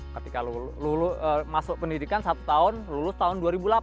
ketika lulus pendidikan satu tahun lulus tahun dua ribu delapan